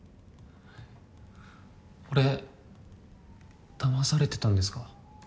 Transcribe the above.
俺だまされてたんですか？